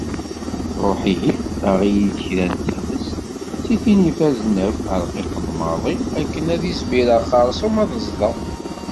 Ruḥ ihi aɣ-iyi-d kra n tiffest, seg tin ifazen akk, rqiqen maḍi, akken ad izmireɣ xersum ad zḍeɣ!